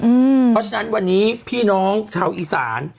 เพราะฉะนั้นวันนี้พี่น้องชาวอีสาน